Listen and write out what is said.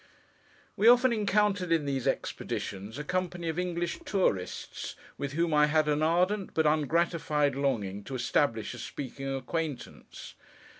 We often encountered, in these expeditions, a company of English Tourists, with whom I had an ardent, but ungratified longing, to establish a speaking acquaintance.